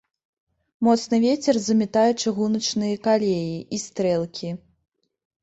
Моцны вецер замятае чыгуначныя калеі і стрэлкі.